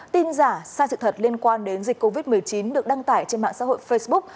tin giả sai sự thật liên quan đến dịch covid một mươi chín được đăng tải trên mạng xã hội facebook